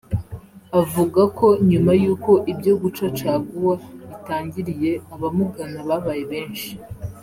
avuga ko nyuma y’uko ibyo guca caguwa bitangiriye abamugana babaye benshi